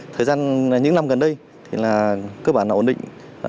thời gian những năm gần đây thì là cơ bản là ổn định